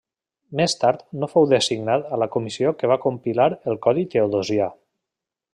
Més tard no fou designat a la comissió que va compilar el codi Teodosià.